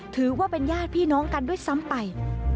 ถือว่าเป็นญาติพี่น้องกันด้วยซ้ำไป